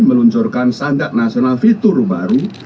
meluncurkan standar nasional fitur baru